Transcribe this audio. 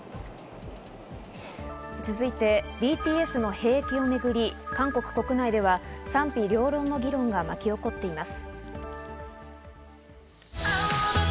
続いてＢＴＳの兵役をめぐり韓国国内では賛否両論の議論が巻き起こっています。